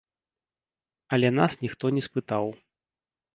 Але нас ніхто не спытаў.